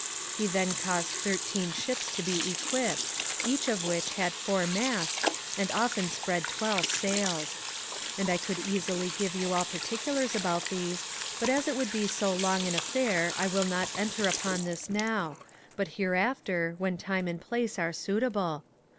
He then caused thirteen ships to be equipt, each of which had four masts, and often spread twelve sails. ^ And I could easily give you all particulars about these, but as it would be so long an affair I will not enter upon this now, but hereafter, when time and place are suitable.